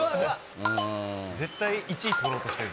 絶対１位とろうとしてる。